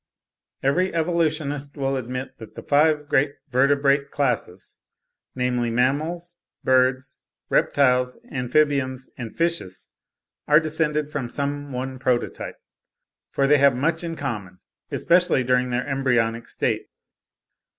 Every evolutionist will admit that the five great vertebrate classes, namely, mammals, birds, reptiles, amphibians, and fishes, are descended from some one prototype; for they have much in common, especially during their embryonic state.